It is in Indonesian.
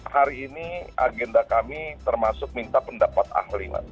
hari ini agenda kami termasuk minta pendapat ahli mas